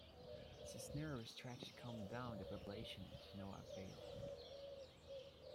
Cisneros tried to calm down the population, to no avail.